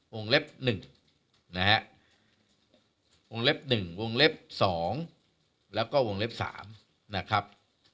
วงเล็บ๑วงเล็บ๒และวงเล็บ๓